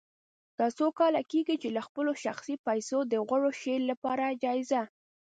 دا څو کاله کېږي چې له خپلو شخصي پیسو د غوره شعر لپاره جایزه